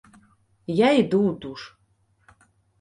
Я іду ў душ.